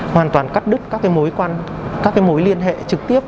hoàn toàn cắt đứt các mối liên hệ trực tiếp